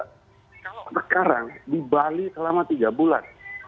kalau sekarang di bali selama tiga bulan